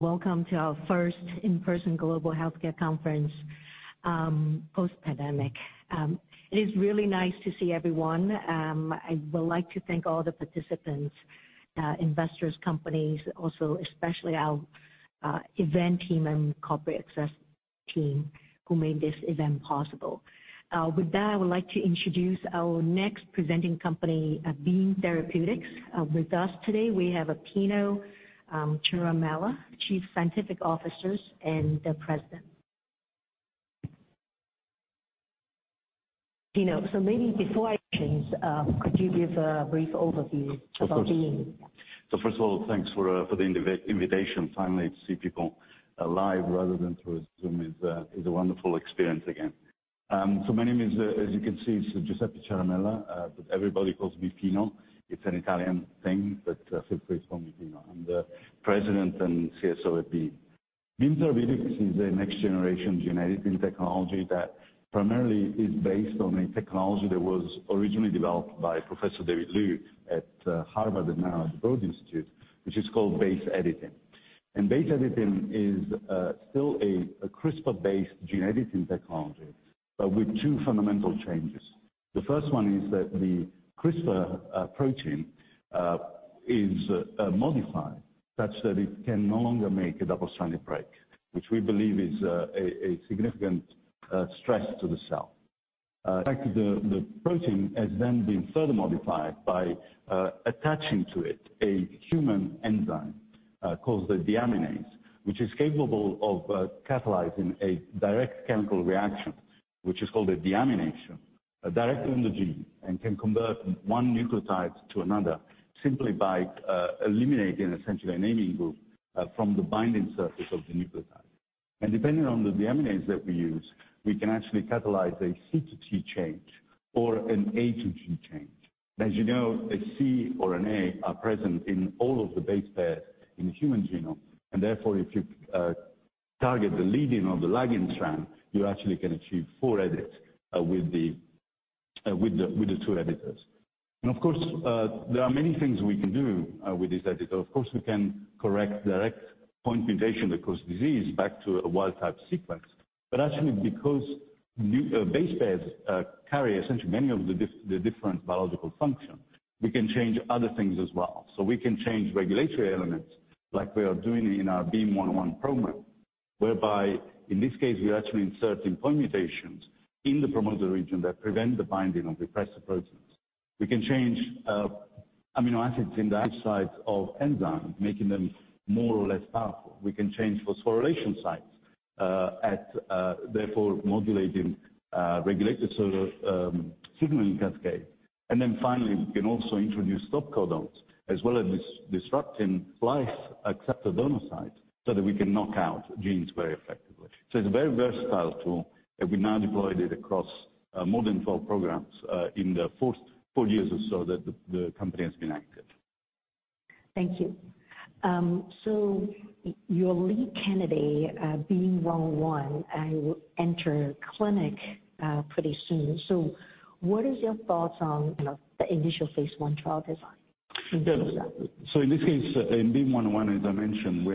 Welcome to our first in-person Global Healthcare Conference post-pandemic. It is really nice to see everyone. I would like to thank all the participants, investors, companies, also especially our event team and corporate access team who made this event possible. With that, I would like to introduce our next presenting company, Beam Therapeutics. With us today we have Pino Ciaramella, Chief Scientific Officer and President. Pino, maybe before I introduce, could you give a brief overview? Of course. About Beam? First of all, thanks for the invitation. Finally, to see people alive rather than through Zoom is a wonderful experience again. My name is, as you can see, it's Giuseppe Ciaramella, but everybody calls me Pino. It's an Italian thing, but please call me Pino. I'm the President and CSO at Beam. Beam Therapeutics is a next generation genetic technology that primarily is based on a technology that was originally developed by Professor David Liu at Harvard and now at the Broad Institute, which is called base editing. Base editing is still a CRISPR-based gene editing technology, but with two fundamental changes. The first one is that the CRISPR protein is modified such that it can no longer make a double-strand break, which we believe is a significant stress to the cell. In fact, the protein has then been further modified by attaching to it a human enzyme called the deaminase, which is capable of catalyzing a direct chemical reaction, which is called a deamination, directly in the gene, and can convert one nucleotide to another simply by eliminating essentially an amine group from the binding surface of the nucleotide. Depending on the deaminase that we use, we can actually catalyze a C to T change or an A to G change. As you know, a C or an A are present in all of the base pairs in the human genome, and therefore, if you target the leading or the lagging strand, you actually can achieve four edits with the two editors. Of course, there are many things we can do with this editor. Of course, we can correct direct point mutation that cause disease back to a wild type sequence. Actually, because base pairs carry essentially many of the different biological functions, we can change other things as well. We can change regulatory elements like we are doing in our BEAM-101 program, whereby in this case we are actually inserting point mutations in the promoter region that prevent the binding of repressor proteins. We can change amino acids in the active sites of enzymes, making them more or less powerful. We can change phosphorylation sites, therefore modulating regulated sort of signaling cascade. Then finally, we can also introduce stop codons, as well as disrupting splice acceptor donor sites so that we can knock out genes very effectively. It's a very versatile tool, and we've now deployed it across more than 12 programs in the first four years or so that the company has been active. Thank you. Your lead candidate, BEAM-101, will enter clinic pretty soon. What is your thoughts on, you know, the initial phase I trial design? Yeah. What is that? In this case, in BEAM-101, as I mentioned, we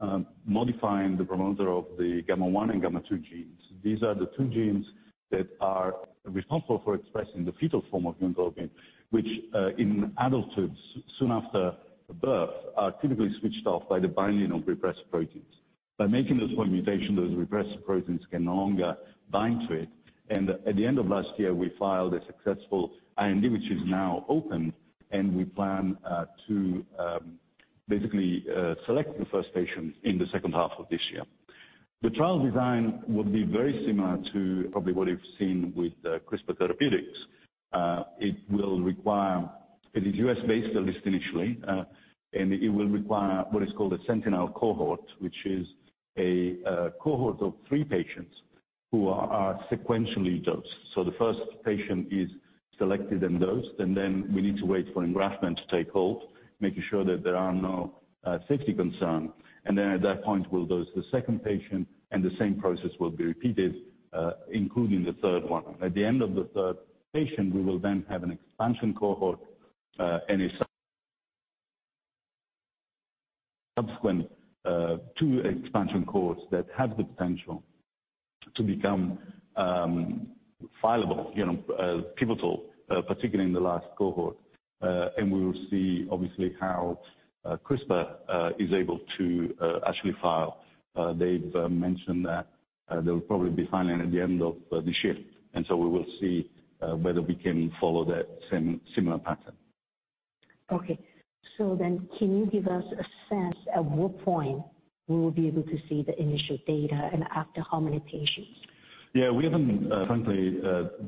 are modifying the promoter of the HBG1 and HBG2 genes. These are the two genes that are responsible for expressing the fetal form of hemoglobin, which in adulthood, soon after birth, are typically switched off by the binding of repressor proteins. By making those point mutations, those repressor proteins can no longer bind to it, and at the end of last year, we filed a successful IND, which is now open, and we plan to basically select the first patients in the second half of this year. The trial design will be very similar to probably what you've seen with CRISPR Therapeutics. It is U.S.-based, at least initially, and it will require what is called a sentinel cohort, which is a cohort of three patients who are sequentially dosed. The first patient is selected and dosed, and then we need to wait for engraftment to take hold, making sure that there are no safety concern. Then at that point we'll dose the second patient and the same process will be repeated, including the third one. At the end of the third patient, we will then have an expansion cohort, and a subsequent two expansion cohorts that have the potential to become fileable, you know, pivotal, particularly in the last cohort. We will see obviously how CRISPR is able to actually file. They've mentioned that they'll probably be filing at the end of this year. We will see whether we can follow that same similar pattern. Okay. Can you give us a sense at what point we will be able to see the initial data and after how many patients? Yeah. We haven't frankly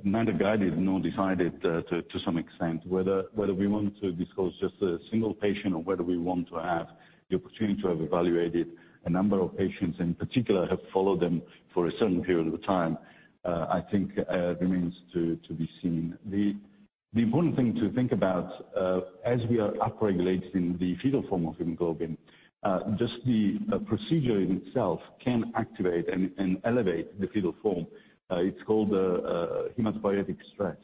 neither guided nor decided to some extent whether we want to disclose just a single patient or whether we want to have the opportunity to have evaluated a number of patients, in particular, have followed them for a certain period of time. I think remains to be seen. The important thing to think about as we are upregulating the fetal form of hemoglobin just the procedure in itself can activate and elevate the fetal form. It's called erythropoietic stress.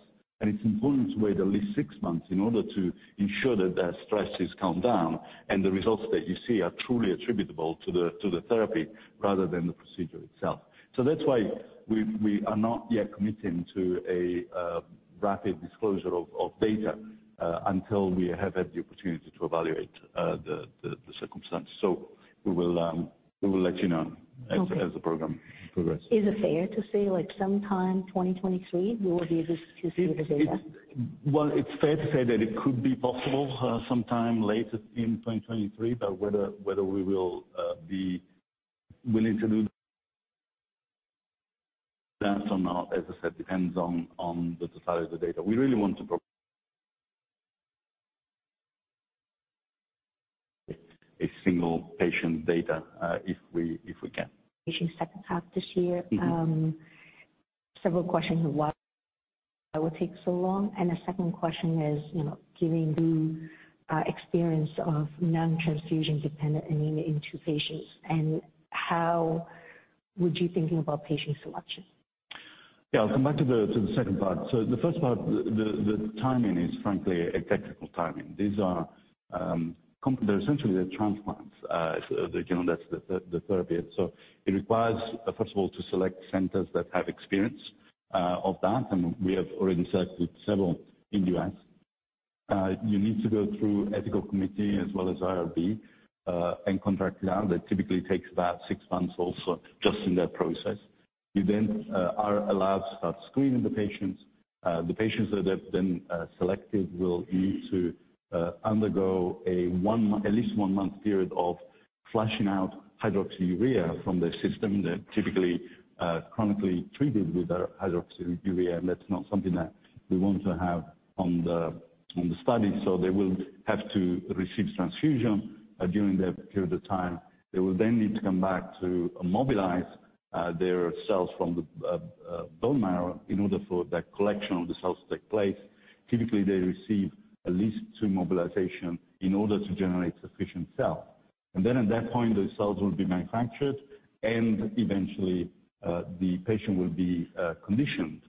It's important to wait at least six months in order to ensure that that stress is calmed down and the results that you see are truly attributable to the therapy rather than the procedure itself. That's why we are not yet committing to a rapid disclosure of data until we have had the opportunity to evaluate the circumstances. We will let you know as the program progresses. Is it fair to say, like sometime 2023 we will be able to see the data? Well, it's fair to say that it could be possible sometime later in 2023, but whether we will be willing to do that or not, as I said, depends on the totality of the data. We really want to provide a single patient data, if we can. Second half this year. Mm-hmm. Several questions, why it will take so long? The second question is, you know, given the experience of non-transfusion dependent anemia in two patients and how would you thinking about patient selection? Yeah, I'll come back to the second part. The first part, the timing is frankly a technical timing. These are, they're essentially transplants. You know, that's the therapy. It requires, first of all, to select centers that have experience of that, and we have already selected several in U.S. You need to go through ethical committee as well as IRB, and contract that typically takes about six months also just in that process. You then are allowed to start screening the patients. The patients that have been selected will need to undergo at least one month period of flushing out hydroxyurea from their system. They're typically chronically treated with a hydroxyurea, and that's not something that we want to have on the study. They will have to receive transfusion during that period of time. They will then need to come back to mobilize their cells from the bone marrow in order for that collection of the cells to take place. Typically, they receive at least two mobilization in order to generate sufficient cell. Then at that point, those cells will be manufactured and eventually the patient will be conditioned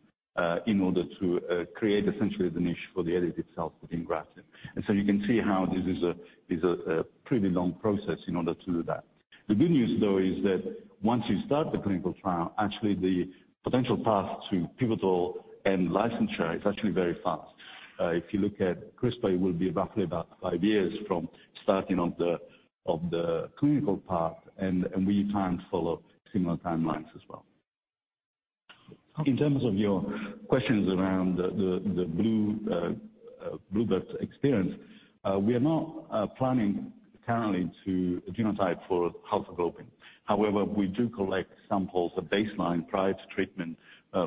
in order to create essentially the niche for the edited cells within grafting. You can see how this is a pretty long process in order to do that. The good news, though, is that once you start the clinical trial, actually the potential path to pivotal and licensure is actually very fast. If you look at CRISPR, it will be roughly about five years from starting of the clinical path, and we plan to follow similar timelines as well. In terms of your questions around the bluebird bio experience, we are not planning currently to genotype for fetal hemoglobin. However, we do collect samples at baseline prior to treatment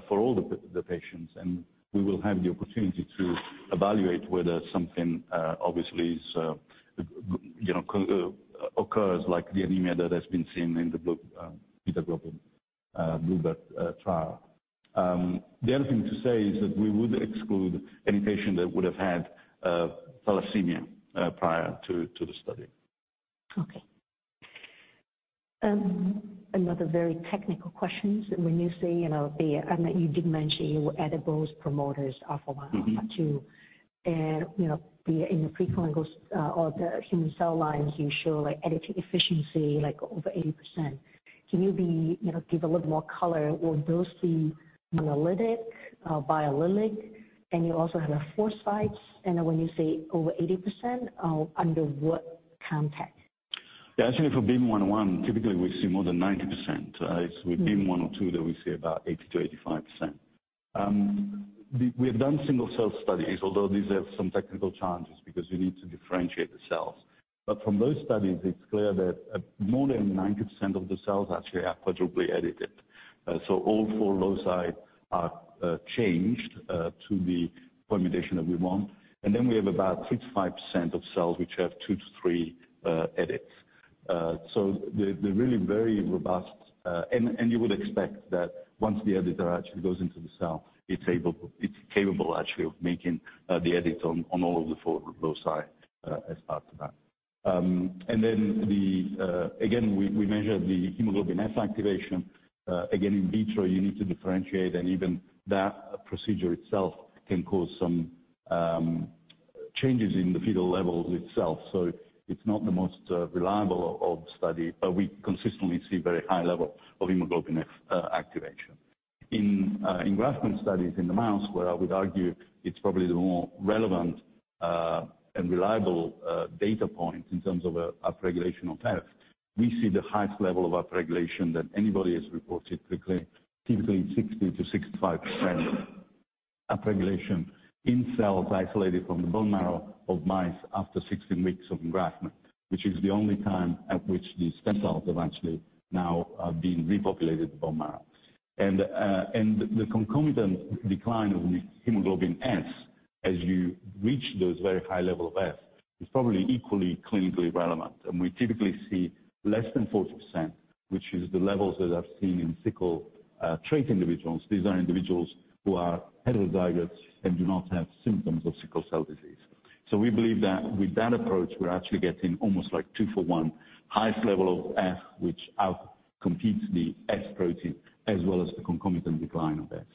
for all the patients, and we will have the opportunity to evaluate whether something obviously is, you know, occurs like the anemia that has been seen in the beta-globin bluebird trial. The other thing to say is that we would exclude any patient that would have had thalassemia prior to the study. Okay. Another very technical question. When you say you know, I mean, you did mention you were editing both promoters of HBG1, HBG2. Mm-hmm. You know, be it in the pre-clinical or the human cell lines, you show like editing efficiency, like over 80%. Can you know, give a little more color? Were those the monoallelic, biallelic, and you also have four sites, and when you say over 80%, under what context? Actually, for BEAM-101, typically, we see more than 90%. It's with BEAM-101 or BEAM-102 that we see about 80%-85%. We have done single cell studies, although these have some technical challenges because you need to differentiate the cells. From those studies, it's clear that more than 90% of the cells actually are quadruple edited. All four loci are changed to the permutation that we want. We have about 65% of cells which have two to three edits. They're really very robust. You would expect that once the editor actually goes into the cell, it's capable actually of making the edits on all of the four loci as part of that. We measure the hemoglobin S activation. In vitro you need to differentiate, and even that procedure itself can cause some changes in the fetal levels itself. It's not the most reliable of study, but we consistently see very high level of hemoglobin S activation. In engraftment studies in the mouse, where I would argue it's probably the more relevant and reliable data points in terms of a upregulation of F, we see the highest level of upregulation that anybody has reported, typically 60%-65% upregulation in cells isolated from the bone marrow of mice after 16 weeks of engraftment, which is the only time at which these stem cells have actually now are being repopulated bone marrow. The concomitant decline of hemoglobin S as you reach those very high level of S is probably equally clinically relevant. We typically see less than 4%, which is the levels that I've seen in sickle trait individuals. These are individuals who are heterozygous and do not have symptoms of sickle cell disease. We believe that with that approach, we're actually getting almost like two for one highest level of F, which out-competes the S protein as well as the concomitant decline of S.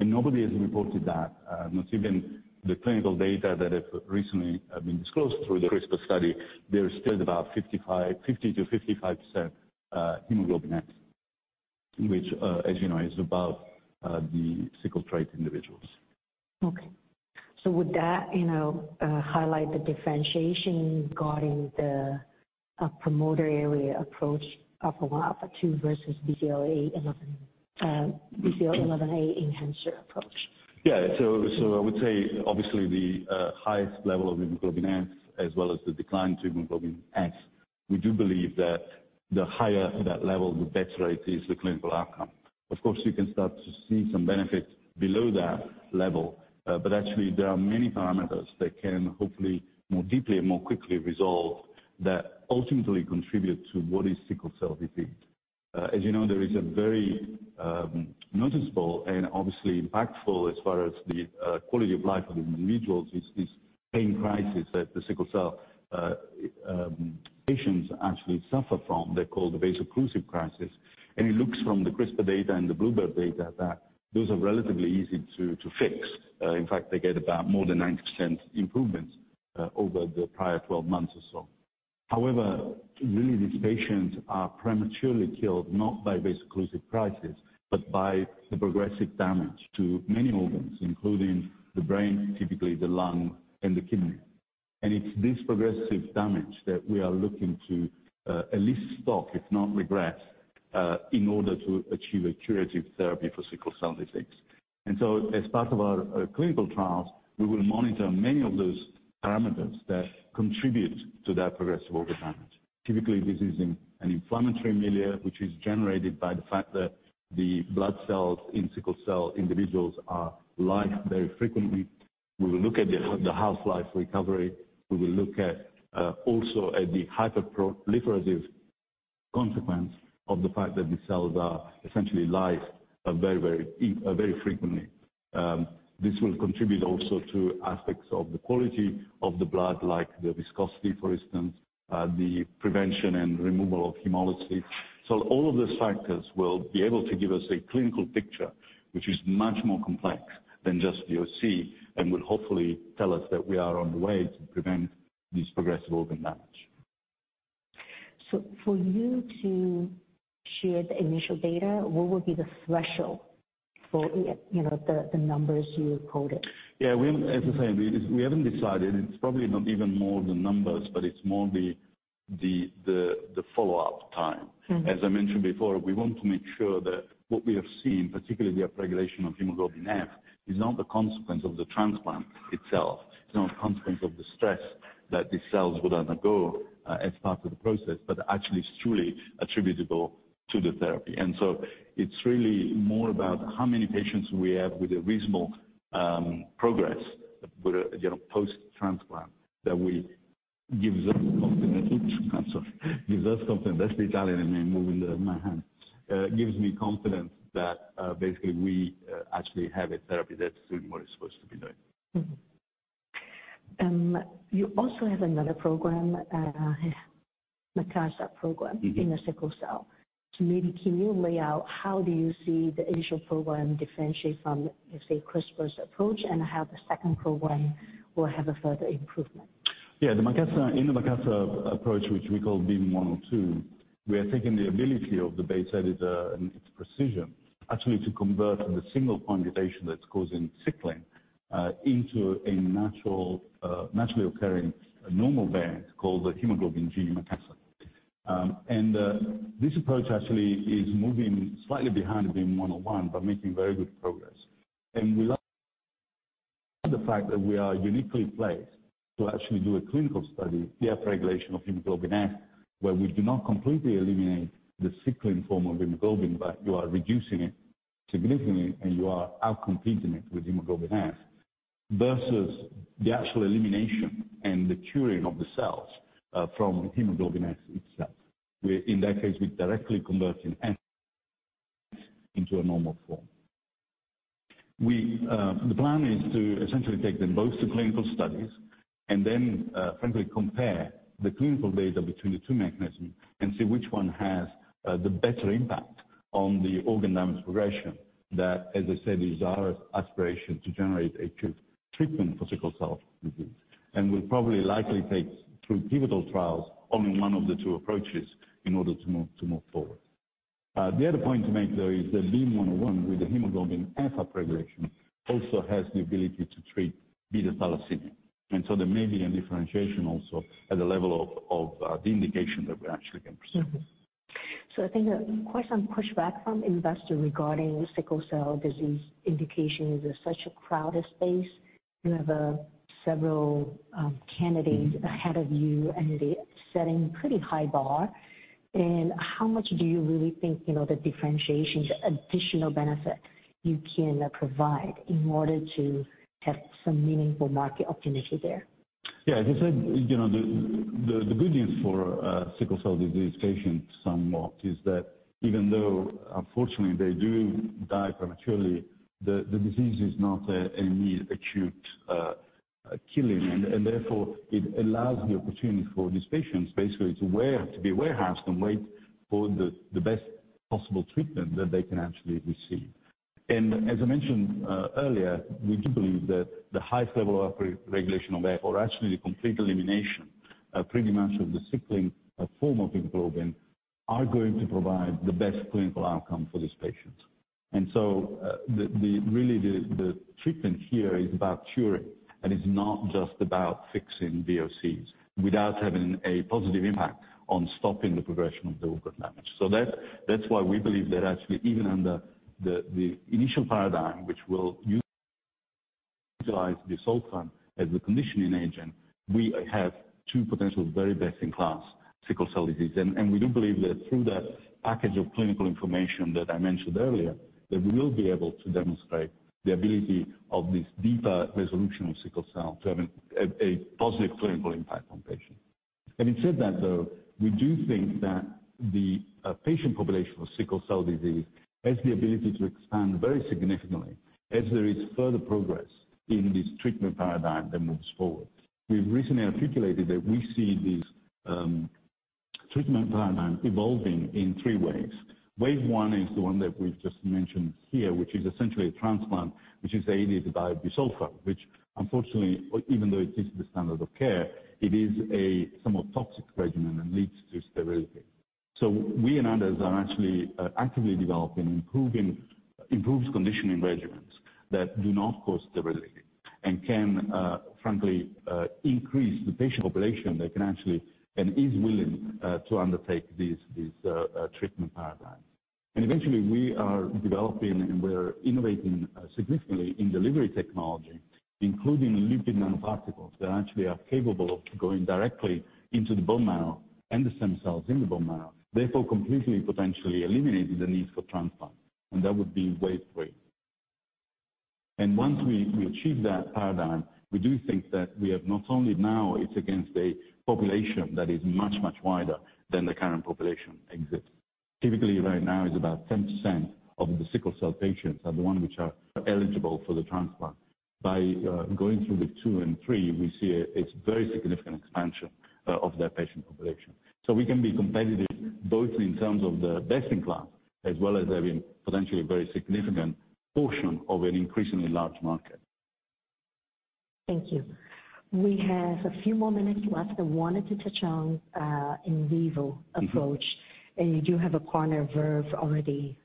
Nobody has reported that, not even the clinical data that have recently been disclosed through the CRISPR study, there is still about 50%-55% hemoglobin F, which, as you know, is above the sickle trait individuals. Okay. Would that, you know, highlight the differentiation regarding the promoter area approach of HBG2 versus BCL11A enhancer approach? Yeah. I would say obviously the highest level of hemoglobin F as well as the decline to hemoglobin S, we do believe that the higher that level, the better it is the clinical outcome. Of course, you can start to see some benefit below that level, but actually there are many parameters that can hopefully more deeply and more quickly resolve that ultimately contribute to what is sickle cell disease. As you know, there is a very noticeable and obviously impactful as far as the quality of life of individuals, is this pain crisis that the sickle cell patients actually suffer from. They're called the vaso-occlusive crisis. It looks from the CRISPR data and the bluebird data that those are relatively easy to fix. In fact, they get about more than 90% improvements over the prior 12 months or so. However, really, these patients are prematurely killed not by vaso-occlusive crisis, but by the progressive damage to many organs, including the brain, typically the lung and the kidney. It's this progressive damage that we are looking to at least stop, if not regress, in order to achieve a curative therapy for sickle cell disease. As part of our clinical trials, we will monitor many of those parameters that contribute to that progressive organ damage. Typically, this is in an inflammatory milieu, which is generated by the fact that the blood cells in sickle cell individuals lyse very frequently. We will look at the half-life recovery. We will look at also at the hyperproliferative consequence of the fact that these cells are essentially lyse very frequently. This will contribute also to aspects of the quality of the blood, like the viscosity, for instance, the prevention and removal of hemolysis. All of these factors will be able to give us a clinical picture which is much more complex than just VOC, and will hopefully tell us that we are on the way to prevent this progressive organ damage. For you to share the initial data, what would be the threshold for, you know, the numbers you quoted? Yeah, as I said, we haven't decided. It's probably not even more the numbers, but it's more the follow-up time. Mm-hmm. As I mentioned before, we want to make sure that what we have seen, particularly the upregulation of hemoglobin F, is not the consequence of the transplant itself. It's not a consequence of the stress that these cells would undergo as part of the process, but actually it's truly attributable to the therapy. It's really more about how many patients we have with a reasonable progress with a post-transplant that gives us confidence. I'm sorry. Gives us confidence. That's the Italian in me moving my hand. Gives me confidence that basically we actually have a therapy that's doing what it's supposed to be doing. You also have another program, the Makassar program. Mm-hmm. In the sickle cell. Maybe can you lay out how do you see the initial program differentiate from, let's say, CRISPR's approach and how the second program will have a further improvement? Yeah. In the Makassar approach, which we call BEAM-102, we are taking the ability of the base editor and its precision actually to convert the single point mutation that's causing sickling into a natural, naturally occurring normal variant called the hemoglobin G-Makassar. This approach actually is moving slightly behind BEAM-101, but making very good progress. We love the fact that we are uniquely placed to actually do a clinical study, the upregulation of hemoglobin F, where we do not completely eliminate the sickling form of hemoglobin, but you are reducing it significantly and you are outcompeting it with hemoglobin F versus the actual elimination and the curing of the cells from hemoglobin F itself, where in that case we're directly converting F into a normal form. We... The plan is to essentially take them both to clinical studies and then, frankly compare the clinical data between the two mechanisms and see which one has the better impact on the organ damage progression. That, as I said, is our aspiration to generate a cure, treatment for sickle cell disease. We'll probably likely take two pivotal trials, only one of the two approaches, in order to move forward. The other point to make though is that BEAM-101 with the hemoglobin F upregulation also has the ability to treat beta thalassemia. There may be a differentiation also at the level of the indication that we actually can pursue. I think quite some pushback from investor regarding sickle cell disease indication is it's such a crowded space. You have several candidates ahead of you, and they are setting pretty high bar. How much do you really think, you know, the differentiation, the additional benefit you can provide in order to have some meaningful market opportunity there? Yeah. As I said, you know, the good news for sickle cell disease patients somewhat is that even though unfortunately they do die prematurely, the disease is not a near acute killing and therefore it allows the opportunity for these patients basically to be warehoused and wait for the best possible treatment that they can actually receive. As I mentioned earlier, we do believe that the highest level of re-regulation of that or actually the complete elimination of pretty much of the sickling form of hemoglobin are going to provide the best clinical outcome for these patients. The treatment here is about curing, and it's not just about fixing VOCs without having a positive impact on stopping the progression of the organ damage. That's why we believe that actually even under the initial paradigm, which will utilize busulfan as the conditioning agent, we have two potential very best-in-class sickle cell disease. We do believe that through that package of clinical information that I mentioned earlier, that we will be able to demonstrate the ability of this deeper resolution of sickle cell to have a positive clinical impact on patients. Having said that, though, we do think that the patient population for sickle cell disease has the ability to expand very significantly as there is further progress in this treatment paradigm that moves forward. We've recently articulated that we see this treatment paradigm evolving in three ways. Wave one is the one that we've just mentioned here, which is essentially a transplant, which is aided by busulfan, which unfortunately, even though it is the standard of care, it is a somewhat toxic regimen and leads to sterility. We and others are actually actively developing improving conditioning regimens that do not cause sterility and can frankly increase the patient population that can actually and is willing to undertake this treatment paradigm. Eventually, we are developing and we're innovating significantly in delivery technology, including lipid nanoparticles that actually are capable of going directly into the bone marrow and the stem cells in the bone marrow, therefore completely potentially eliminating the need for transplant. That would be wave three. Once we achieve that paradigm, we do think that we have not only now it's against a population that is much, much wider than the current population exists. Typically right now is about 10% of the sickle cell patients are the ones which are eligible for the transplant. By going through the two and three, we see a very significant expansion of that patient population. We can be competitive both in terms of the best in class as well as having potentially a very significant portion of an increasingly large market. Thank you. We have a few more minutes left. I wanted to touch on in vivo approach. You do have a partner Verve already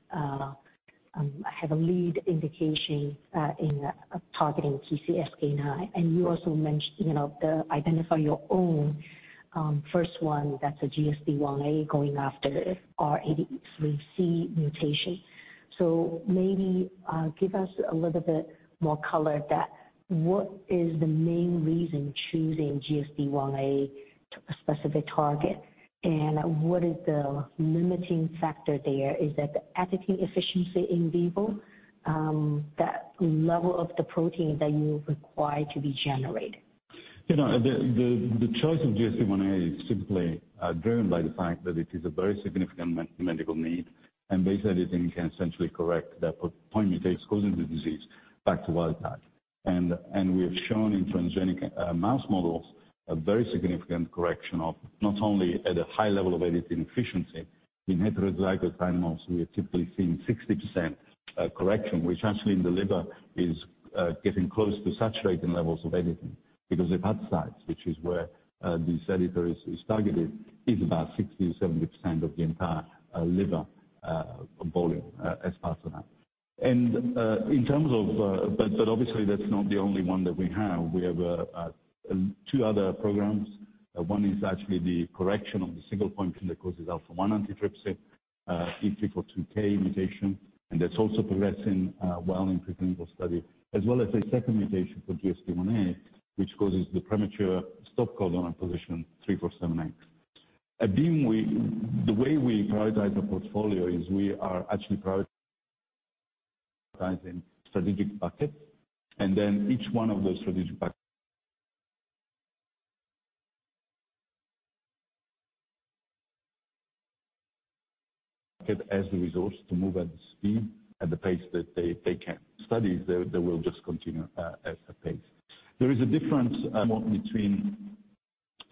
have a lead indication in targeting PCSK9. You also mentioned identify your own first one that's a GSD1a going after R83C mutation. Maybe give us a little bit more color that what is the main reason choosing GSD1a to a specific target? What is the limiting factor there? Is that the editing efficiency in vivo that level of the protein that you require to be generated? You know, the choice of GSD1a is simply driven by the fact that it is a very significant medical need, and base editing can essentially correct the point mutations causing the disease back to wild type. We have shown in transgenic mouse models a very significant correction of not only at a high level of editing efficiency in heterozygous animals, we are typically seeing 60% correction, which actually in the liver is getting close to saturating levels of editing because hepatocyte, which is where this editor is targeted, is about 60%-70% of the entire liver volume as part of that. Obviously that's not the only one that we have. We have two other programs. One is actually the correction of the single point gene that causes alpha-1 antitrypsin, E342K mutation, and that's also progressing well in preclinical study, as well as a second mutation for GSD1a, which causes the premature stop codon at Q347X. At Beam. The way we prioritize our portfolio is we are actually prioritizing strategic buckets, and then each one of those strategic buckets as the resource to move at speed at the pace that they can. Studies they will just continue at the pace. There is a difference between,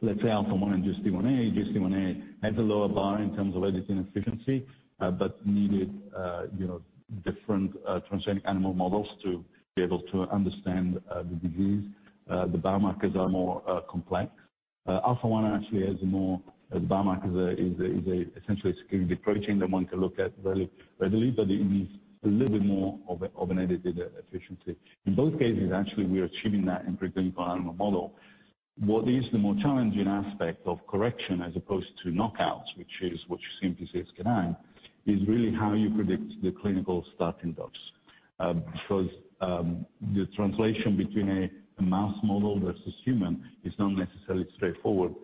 let's say, alpha-1 and GSD1a. GSD1a has a lower bar in terms of editing efficiency, but needed, you know, different transgenic animal models to be able to understand the disease. The biomarkers are more complex. Alpha-1 actually has a biomarker, which is essentially the protein that one can look at very readily, but it needs a little bit more of an editing efficiency. In both cases, actually, we are achieving that in preclinical animal model. What is the more challenging aspect of correction as opposed to knockouts, which is what you see in PCSK9, is really how you predict the clinical starting dose. Because the translation between a mouse model versus human is not necessarily straightforward,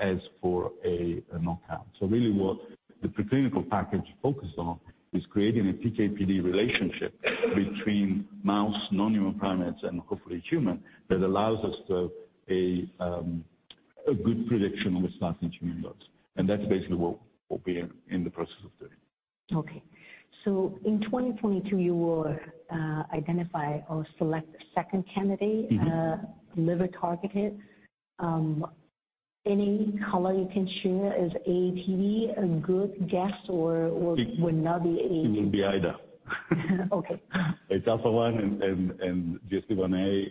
as for a knockout. So really what the preclinical package focuses on is creating a PKPD relationship between mouse, non-human primates and hopefully human that allows us to a good prediction on the starting human dose. That's basically what we're in the process of doing. Okay. In 2022, you will identify or select a second candidate. Mm-hmm. Liver-targeted. Any color you can share, is AATD a good guess or it would not be A- It will be either. Okay. It's alpha-1 and GSD1a,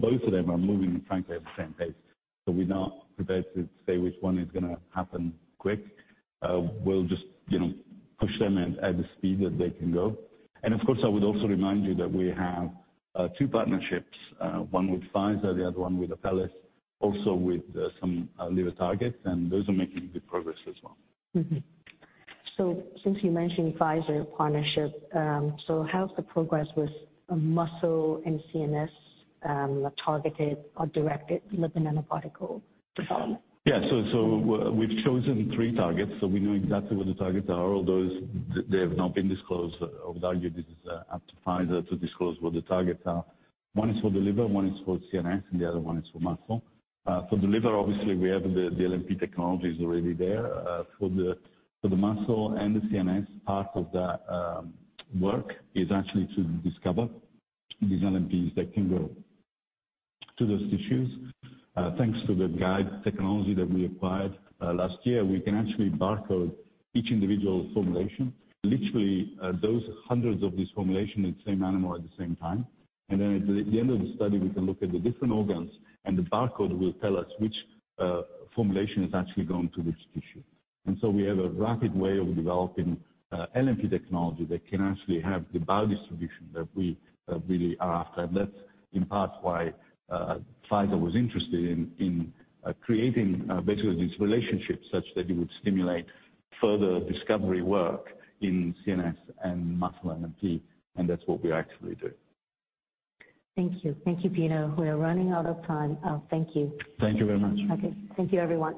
both of them are moving frankly at the same pace. We're not prepared to say which one is gonna happen quick. We'll just, you know, push them at the speed that they can go. Of course, I would also remind you that we have two partnerships, one with Pfizer, the other one with Apellis, also with some liver targets, and those are making good progress as well. Since you mentioned Pfizer partnership, how's the progress with muscle and CNS targeted or directed lipid nanoparticle development? We've chosen three targets. We know exactly what the targets are, although they have not been disclosed or valued. This is up to Pfizer to disclose what the targets are. One is for the liver, one is for CNS, and the other one is for muscle. For the liver, obviously, we have the LNP technology is already there. For the muscle and the CNS part of the work is actually to discover these LNPs that can go to those tissues. Thanks to the Guide technology that we acquired last year, we can actually barcode each individual formulation. Literally, those hundreds of this formulation in the same animal at the same time. At the end of the study, we can look at the different organs, and the barcode will tell us which formulation is actually going to which tissue. We have a rapid way of developing LNP technology that can actually have the biodistribution that we really are after. That's in part why Pfizer was interested in creating basically this relationship such that it would stimulate further discovery work in CNS and muscle LNP, and that's what we actively do. Thank you. Thank you, Pino. We are running out of time. Thank you. Thank you very much. Okay. Thank you, everyone.